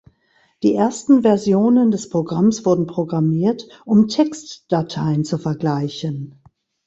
Die ersten Versionen des Programms wurden programmiert, um Textdateien zu vergleichen.